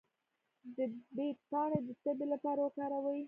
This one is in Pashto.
د بید پاڼې د تبې لپاره وکاروئ